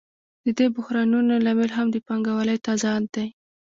د دې بحرانونو لامل هم د پانګوالۍ تضاد دی